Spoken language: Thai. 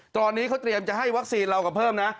ตอนนี้เขาเตรียมจะให้วัคซีนเราก็เพิ่มนะ